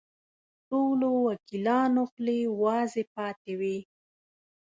ټولو وکیلانو خولې وازې پاتې وې.